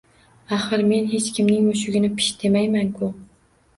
Axir, men hech kimning mushugini pisht demayman-ku